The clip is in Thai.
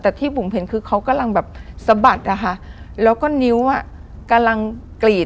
แต่ที่บุ๋มเห็นคือเขากำลังแบบสะบัดอะค่ะแล้วก็นิ้วอ่ะกำลังกรีด